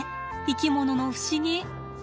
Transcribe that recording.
生き物の不思議。